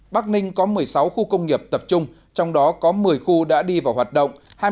bắc ninh có một mươi sáu khu công nghiệp tập trung trong đó có một mươi khu đã đi vào hoạt động